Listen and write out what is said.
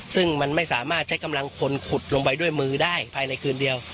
ซึ่งมันไม่สามารถใช้กำลังคนขุดลงไปด้วยมือได้ภายในคืนเดียว